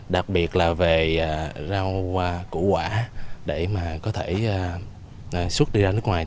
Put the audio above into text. đặc biệt là về rau hoa củ quả để mà có thể xuất đi ra nước ngoài